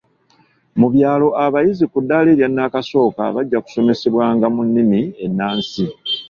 Mu byalo abayizi ku ddaala erya nnakasooka bajja kusomesebwanga mu nnimi ennansi.